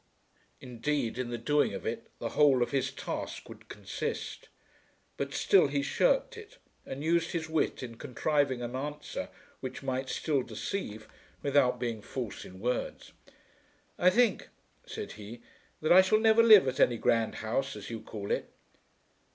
Indeed in the doing of it the whole of his task would consist. But still he shirked it, and used his wit in contriving an answer which might still deceive without being false in words. "I think," said he, "that I shall never live at any grand house, as you call it."